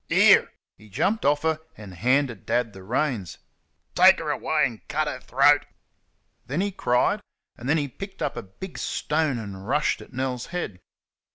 "Here" he jumped off her and handed Dad the reins "take her away and cut her throat." Then he cried, and then he picked up a big stone and rushed at Nell's head.